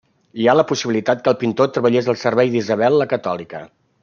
Hi ha la possibilitat que el pintor treballés al servei d'Isabel la Catòlica.